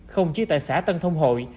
không chỉ tại xã tân thông hội